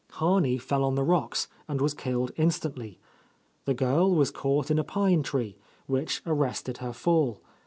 , Harney fell on the rocks and was killed instantly. The girl was caught in a pine tree, which arrested her fall.